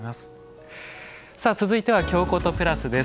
続いては「京コト＋」です。